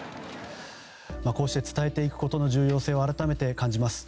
こうして伝えていくことの重要性を改めて感じます。